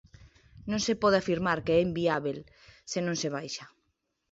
Non se pode afirmar que é inviábel se non se baixa.